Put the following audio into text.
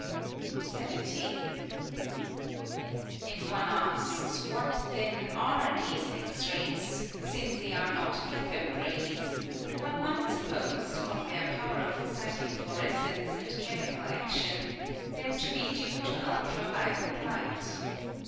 17. If one asks, what then are these X rays ; since they are not cathode rays, one might suppose, from their power of excit ing flourescence and chemical action, them to be due to ultra violet light.